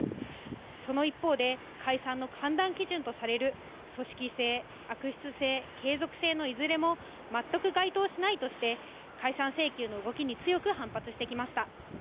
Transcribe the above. その一方で、解散の判断基準とされる組織性、悪質性、継続性のいずれも全く該当しないとして、解散請求の動きに強く反発してきました。